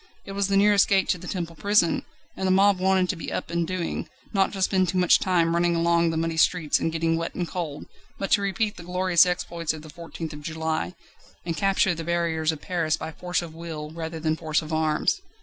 It was the nearest gate to the Temple Prison, and the mob wanted to be up and doing, not to spend too much time running along the muddy streets and getting wet and cold, but to repeat the glorious exploits of the 14th of July, and capture the barriers of Paris by force of will rather than force of arms.